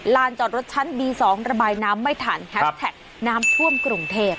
จอดรถชั้นบี๒ระบายน้ำไม่ทันแฮชแท็กน้ำท่วมกรุงเทพ